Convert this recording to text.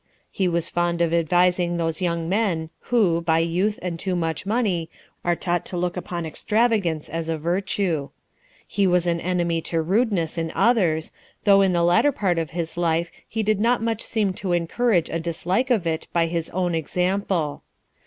He was fond of advising those young men, who, by youth and too much money, are taught to look upon extrava gance as a virtue. He was an enemy to rudeness in others, though in the latter part of his life he did not much seem to encourage a dislike of it by his own example.